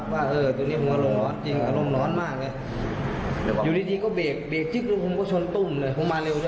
ความผิดก็อยู่ครับผมมาเร็ว